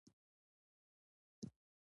ښکنځلې د نفرت پایله ده.